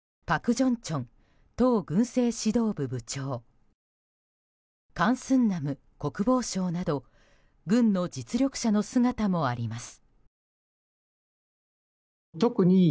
ジョンチョン党軍政指導部部長カン・スンナム国防相など軍の実力者の姿もあります。